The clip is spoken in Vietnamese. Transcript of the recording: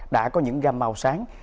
đã có những gam màu sáng